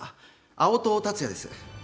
青戸達也です